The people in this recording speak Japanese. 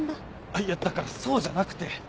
あっいやだからそうじゃなくて。